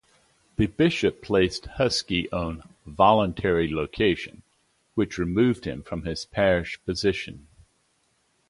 The bishop placed Huskey on "voluntary location" which removed him from his parish position.